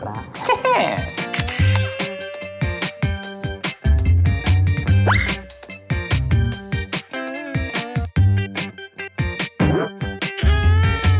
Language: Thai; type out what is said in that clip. อันหา